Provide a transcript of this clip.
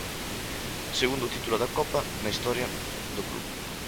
Segundo título de Copa na historia do club.